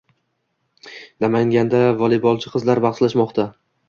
Namanganda voleybolchi qizlar bahslashmoqdang